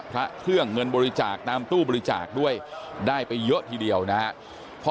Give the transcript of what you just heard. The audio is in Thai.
พระเครื่องเงินบริจาคตามตู้บริจาคด้วยได้ไปเยอะทีเดียวนะครับ